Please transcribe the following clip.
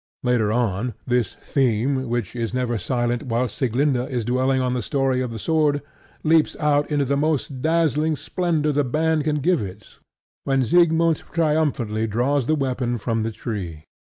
Later on, this theme, which is never silent whilst Sieglinda is dwelling on the story of the sword, leaps out into the most dazzling splendor the band can give it when Siegmund triumphantly draws the weapon from the tree.